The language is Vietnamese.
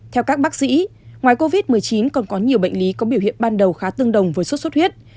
theo các bác sĩ ngoài covid một mươi chín còn có nhiều bệnh lý có biểu hiện ban đầu khá tương đồng với sốt xuất huyết